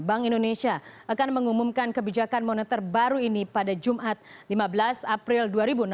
bank indonesia akan mengumumkan kebijakan moneter baru ini pada jumat lima belas april dua ribu enam belas